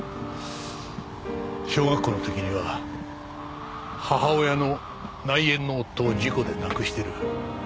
小学校の時には母親の内縁の夫を事故で亡くしてる。